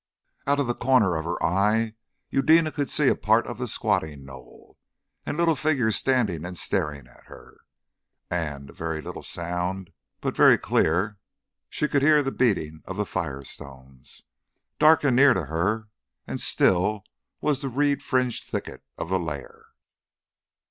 Out of the corner of her eye Eudena could see a part of the squatting knoll, and little figures standing and staring at her. And a very little sound but very clear she could hear the beating of the firestone. Dark and near to her and still was the reed fringed thicket of the lair.